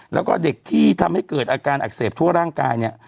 แล้วก็เด็กที่ทำให้เกิดอาการอักเสบทั่วร่างกายเนี่ย